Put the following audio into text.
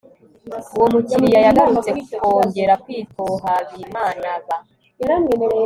uwo mukiriya yagarutse kongera kwitohabimanaba